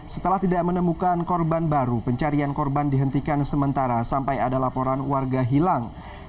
setelah tidak menemukan korban baru pencarian korban dihentikan sementara sampai ada laporan warga hilang